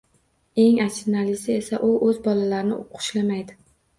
Eng achinarlisi esa u o`z bolalarini xushlamaydi